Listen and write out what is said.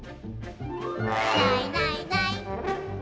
「いないいないいない」